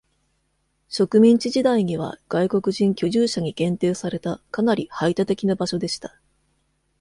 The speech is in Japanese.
植民地時代には、外国人居住者に限定されたかなり排他的な場所でした。